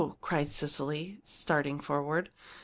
cried Cecily, starting forward.